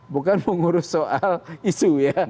bukan mengurus soal isu ya